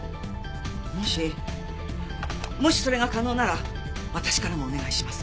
もしもしそれが可能なら私からもお願いします。